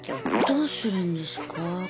どうするんですか？